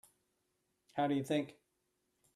How do you think?